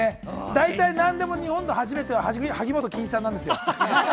大体何でも日本の初めては萩本欽一さんなんですよ。